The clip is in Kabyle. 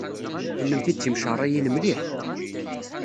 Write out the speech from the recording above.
Kennemti d timceṛṛiyin mliḥ!